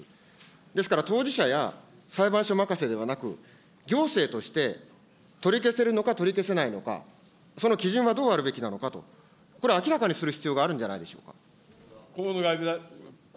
ですから当事者や裁判所任せではなく、行政として、取り消せるのか取り消せないのか、その基準はどうあるべきなのかとこれ、明らかにする必要があるんじゃないでしょうか。